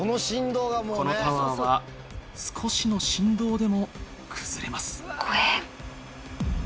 このタワーは少しの振動でも崩れます。